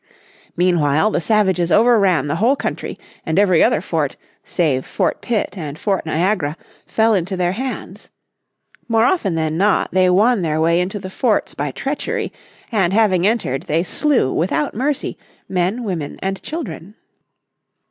Meanwhile the savages over ran the whole country, and every other fort, save Fort Pitt and Fort Niagara, fell into their hands. More often than not, they won their way into the forts by treachery, and having entered they slew, without mercy, men, women and children.